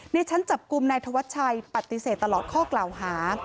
ในชั้นจับกลุ่มนายธวัชชัยปฏิเสธตลอดข้อกล่าวหา